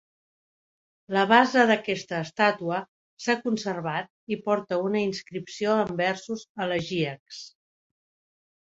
La base d'aquesta estàtua s'ha conservat i porta una inscripció en versos elegíacs.